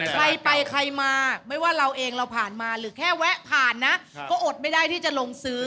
ใครไปใครมาไม่ว่าเราเองเราผ่านมาหรือแค่แวะผ่านนะก็อดไม่ได้ที่จะลงซื้อ